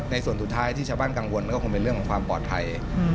ส่วนสุดท้ายที่ชาวบ้านกังวลก็คงเป็นเรื่องของความปลอดภัย